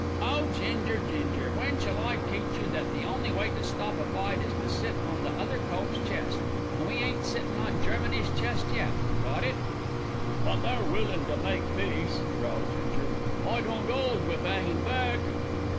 "Oh, Ginger, Ginger! when shall I teach you that the only way to stop a fight is to sit on the other cove's chest: an' we ain't sittin' on Germany's chest yet. Got it?" "But they're willing to make peace," growled Ginger. "I don't 'old wiv 'angin' back."